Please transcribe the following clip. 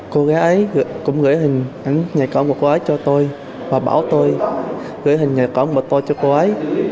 cô gái ấy cũng gửi hình nhà cỏ một cô ấy cho tôi và bảo tôi gửi hình nhà cỏ một tôi cho cô ấy